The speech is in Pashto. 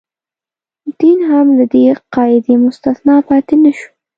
دین هم له دې قاعدې مستثنا پاتې نه شو.